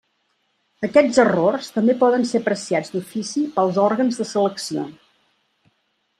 Aquests errors també poden ser apreciats d'ofici pels òrgans de selecció.